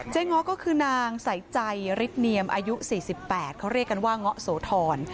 เงาะก็คือนางใส่ใจฤทธเนียมอายุ๔๘เขาเรียกกันว่าเงาะโสธร